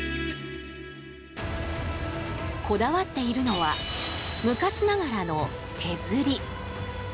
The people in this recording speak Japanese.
こだわっているのは昔ながらの手刷り。